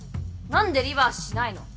何でリバースしないの！？